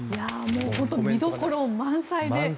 本当に見どころ満載で。